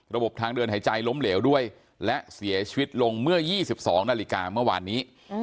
ทางเดินหายใจล้มเหลวด้วยและเสียชีวิตลงเมื่อ๒๒นาฬิกาเมื่อวานนี้